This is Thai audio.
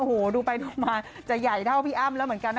โอ้โหดูไปดูมาจะใหญ่เท่าพี่อ้ำแล้วเหมือนกันนะ